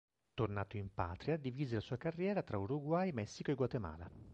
Tornato in patria, divise la sua carriera tra Uruguay, Messico e Guatemala.